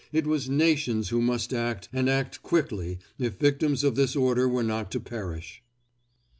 It was nations who must act and act quickly if victims of this order were not to perish.